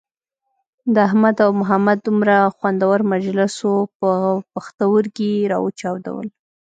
د احمد او محمد دومره خوندور مجلس وو پوښتورگي یې را وچاودل.